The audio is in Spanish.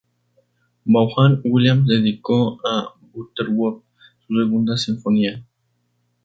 Vaughan Williams dedicó a Butterworth su segunda sinfonía.